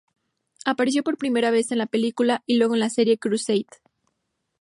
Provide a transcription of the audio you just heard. Apareció por primera vez en la película y luego en la serie Crusade.